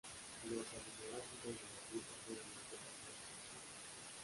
Los aminoácidos de la dieta pueden alterar su absorción.